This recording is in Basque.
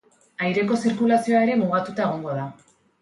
Aireko zirkulazioa ere mugatuta egongo da.